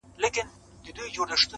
نور مينه نه کومه دا ښامار اغزن را باسم.